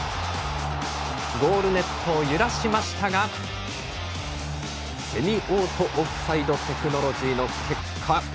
ゴールネットを揺らしましたがセミオートオフサイドテクノロジーの結果